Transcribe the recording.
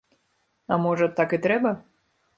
А, можа, так і трэба?